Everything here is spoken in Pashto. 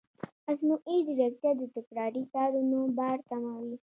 مصنوعي ځیرکتیا د تکراري کارونو بار کموي.